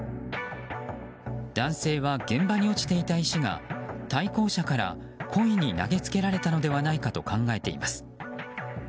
男性は現場に落ちていた石が対向車から故意に投げつけられたのではないかと考えています。